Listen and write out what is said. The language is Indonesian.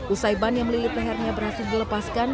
usai ban yang melilit lehernya berhasil dilepaskan